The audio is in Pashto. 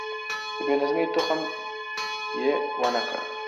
د بې نظمۍ تخم يې ونه کره.